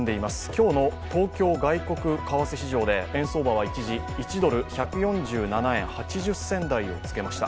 今日の東京外国為替市場で円相場は一時１ドル＝１４７円８０銭台をつけました。